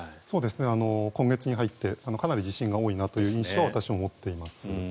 今月に入ってかなり地震が多いなという印象を私も持っています。